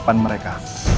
bukti baru apa